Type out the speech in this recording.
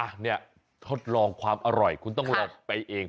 อ่ะเนี่ยทดลองความอร่อยคุณต้องลองไปเอง